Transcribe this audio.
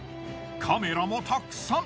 カメラもたくさん。